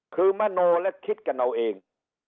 คือมโนและคิดกันเอาเอง